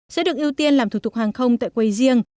sẽ được ưu tiên làm thủ tục hàng không tại quầy riêng